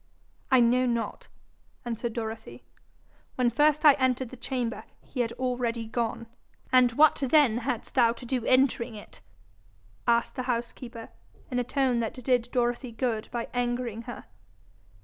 'I know not,' answered Dorothy. 'When first I entered the chamber, he had already gone.' 'And what then hadst thou to do entering it?' asked the housekeeper, in a tone that did Dorothy good by angering her.